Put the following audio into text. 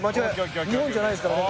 日本じゃないですからね。